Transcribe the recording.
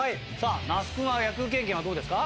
那須君は野球経験はどうですか？